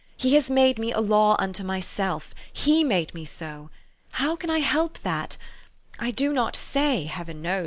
He has made me a law unto myself He made me so. How can I help that? I do not say, Heaven knows